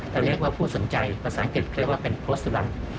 เราเรียกว่าผู้สนใจภาษาอังกฤษเรียกว่าเป็นโค้ชสุรัง